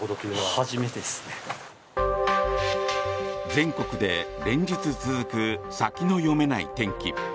全国で連日続く先の読めない天気。